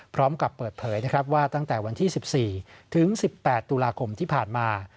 พร้อมกับเปิดเผยนะครับว่าตั้งแต่วันที่๑๔ถึง๑๘ตุลาคมที่ผ่านมา